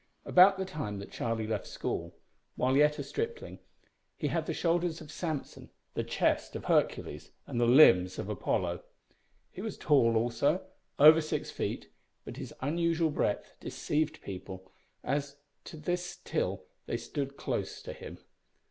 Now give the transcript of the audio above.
About the time that Charlie left school, while yet a stripling, he had the shoulders of Samson, the chest of Hercules, and the limbs of Apollo. He was tall also over six feet but his unusual breadth deceived people as to this till they stood close to him.